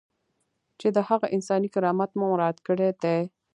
چې د هغه انساني کرامت مو مراعات کړی دی.